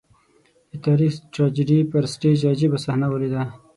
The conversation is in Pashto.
د تاریخ د ټراجېډي پر سټېج عجيبه صحنه ولیده.